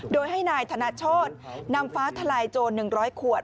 โดยให้นายธนโชธนำฟ้าทลายโจร๑๐๐ขวด